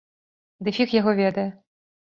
Ды фіг яго ведае!